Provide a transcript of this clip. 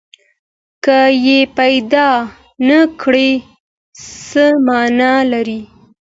که یې پیدا نه کړي، څه معنی لري؟